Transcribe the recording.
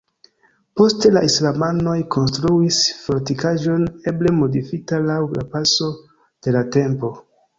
Poste la islamanoj konstruis fortikaĵon eble modifita laŭ la paso de la tempo.